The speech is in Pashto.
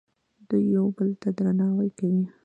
دوی یو بل ته درناوی کوي.